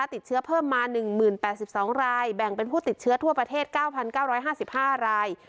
ผู้ติดเชื้อเพิ่มมาหนึ่งหมื่นแปดสิบสองรายแบ่งเป็นผู้ติดเชื้อทั่วประเทศเก้าพันเก้าร้อยห้าสิบห้าราย